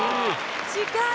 近い。